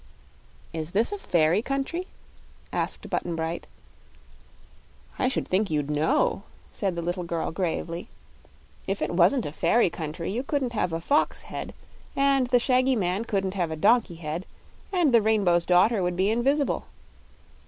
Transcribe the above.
"Is this a fairy country?" asked Button Bright. "I should think you'd know," said the little girl, gravely. "If it wasn't a fairy country you couldn't have a fox head and the shaggy man couldn't have a donkey head, and the Rainbow's Daughter would be invis'ble."